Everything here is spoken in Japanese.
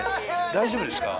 大丈夫ですか？